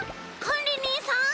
かんりにんさん？